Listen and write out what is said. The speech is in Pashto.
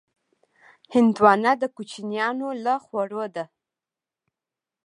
هندوانه د کوچیانو له خوړو ده.